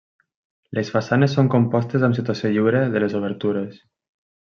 Les façanes són compostes amb situació lliure de les obertures.